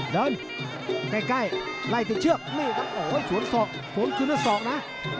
เดินใกล้ไล่แต่เชือกนี่ครับโอ้โฮสวนสอกสวนคืนสอกนะ